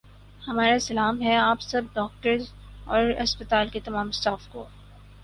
ہمارا سلام ہے آپ سب ڈاکٹرس اور ہسپتال کے تمام سٹاف کو